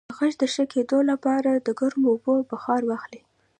د غږ د ښه کیدو لپاره د ګرمو اوبو بخار واخلئ